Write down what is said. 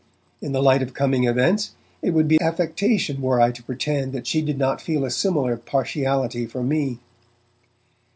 In the light of coming events, it would be affectation were I to pretend that she did not feel a similar partiality for me.